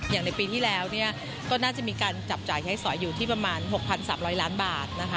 อย่างในปีที่แล้วก็น่าจะมีการจับจ่ายใช้สอยอยู่ที่ประมาณ๖๓๐๐ล้านบาทนะคะ